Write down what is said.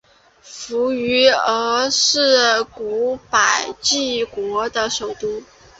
扶余郡是古百济国的首都。